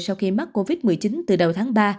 sau khi mắc covid một mươi chín từ đầu tháng ba